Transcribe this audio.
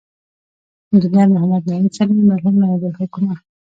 انجنیر محمد نعیم سلیمي، مرحوم نایب الحکومه